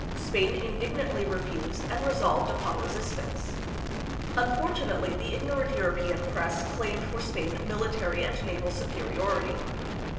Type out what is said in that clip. Spain indignantly refused, and resolved upon resistance. Unfortunately, the igno rant European press claimed for Spain military and naval superiority.